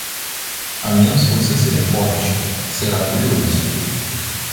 A menos que você seja forte, será curioso.